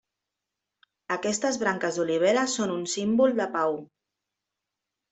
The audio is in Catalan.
Aquestes branques d'olivera són un símbol de pau.